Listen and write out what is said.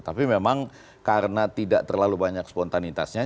tapi memang karena tidak terlalu banyak spontanitasnya